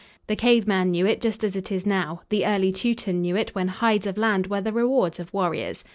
The cave man knew it just as it is now; the early Teuton knew it when "hides" of land were the rewards of warriors.